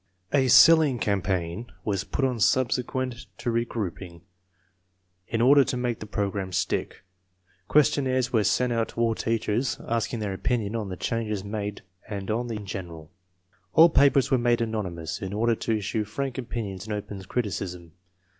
A "selling campaign" was put on subsequent to re grouping, in order to make the program "stick." Ques tionnaires were sent out to all teachers, asking their opinion on the changes made and on the use of tests in general. All papers were made anonymous in order to insure frank opinions and open criticism.